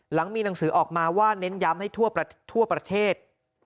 หลังมีหนังสือออกมาว่าเน้นย้ำให้ทั่วประเทศ